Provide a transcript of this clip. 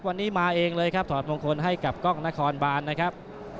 วันนี้มาเองเลยครับถอดมงคลให้กับกล้องนครบานนะครับ